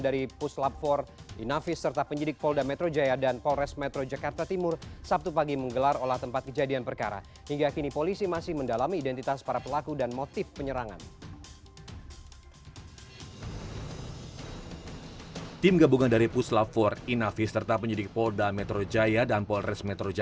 dem iterations hi peux la pour in office serta penyedik poldo metrojaya dan polres menteros jakarta timur sabtu pagi menggelar olah tempat kejadian perkara hingga di nipolisi masih mendalam identitas para pelaku dan motif penyerangan tim gabungan dari pus lapor in office serta penyetik vista dan potongan there's metro jaya dan portuguese metrojaya tillo